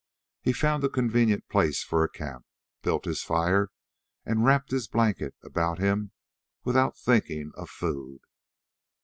He found a convenient place for a camp, built his fire, and wrapped his blanket about him without thinking of food.